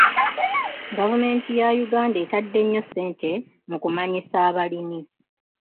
Gavumenti ya Uganda etadde nnyo ssente mu kumanyisa abalimi.